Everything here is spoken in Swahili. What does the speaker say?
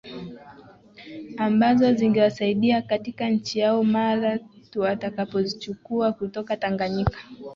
ambazo zingewasaidia katika nchi yao mara tuwatakapozichukua kutoka Tanganyika